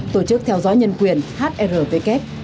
tổ chức theo dõi nhân quyền hrwk